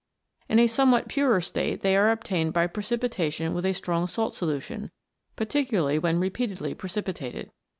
In a somewhat purer state they are obtained by precipitation with a strong salt solution, particularly when repeatedly precipitated.